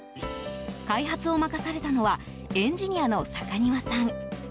開発を任されたのはエンジニアの坂庭さん。